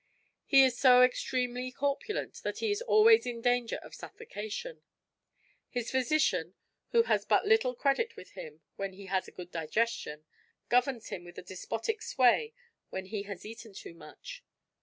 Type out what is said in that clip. He is so extremely corpulent that he is always in danger of suffocation. His physician, who has but little credit with him when he has a good digestion, governs him with a despotic sway when he has eaten too much.